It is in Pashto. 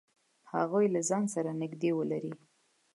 هغوی له ځان سره نږدې ولری.